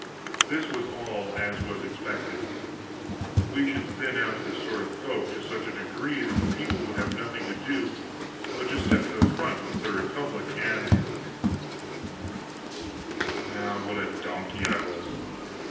This was all as was expected. We should thin out this sort of folk to such a degree that the people would have nothing to do but just step to the front with their republic and Ah, what a donkey I was!